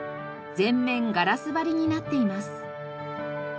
全面ガラス張りになっています。